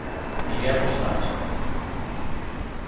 Miguel estaba só.